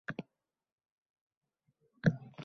Ushbu lavozimda ish boshlaganman